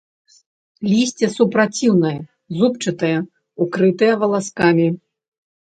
Лісце супраціўнае, зубчастае, укрытае валаскамі.